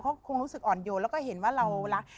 เขาคงรู้สึกอ่อนโยนแล้วก็เห็นว่าเรารัก